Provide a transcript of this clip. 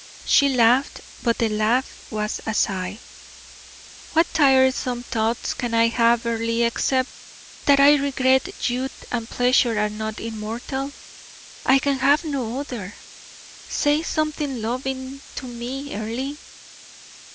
She laughed, but the laugh was a sigh. "What tiresome thoughts can I have, Earle, except that I regret youth and pleasure are not immortal? I can have no other. Say something loving to me, Earle."